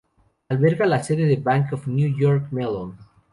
Alberga la sede del Bank of New York Mellon.